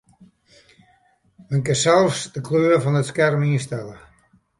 Men kin sels de kleur fan it skerm ynstelle.